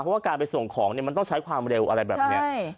เพราะว่าการไปส่งของเนี่ยมันต้องใช้ความเร็วอะไรแบบนี้